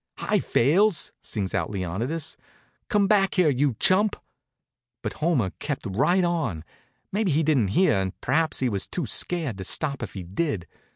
"Hi, Fales!" sings out Leonidas. "Come back here, you chump!" But Homer kept right on. Maybe he didn't hear, and perhaps he was too scared to stop if he did.